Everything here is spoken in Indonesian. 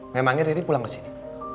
memangnya riri pulang ke sini